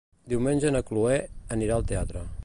Diumenge na Chloé anirà al teatre.